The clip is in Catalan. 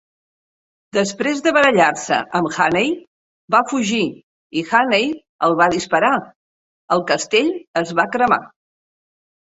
Després de barallar-se amb Hannay, va fugir i Hannay el va disparar; el castell es va cremar.